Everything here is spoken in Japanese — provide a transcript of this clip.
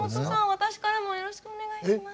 私からもよろしくお願いします。